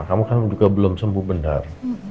kamu kan juga belum sembuh benar